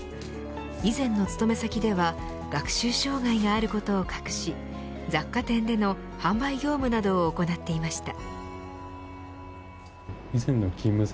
以前の勤め先では学習障がいがあることを隠し雑貨店での販売業務などを行っていました。